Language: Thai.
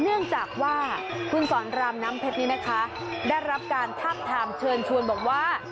เนื่องจากว่าคุณสอนรามน้ำเพชรนี้นะคะได้รับการทาบทามเชิญชวนบอกว่า